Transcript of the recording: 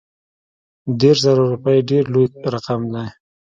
دېرش زره روپي ډېر لوی رقم دی.